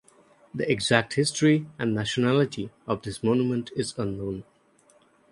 The exact history and nationality of this monument is unknown.